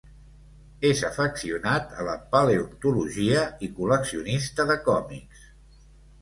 És afeccionat a la paleontologia i col·leccionista de còmics.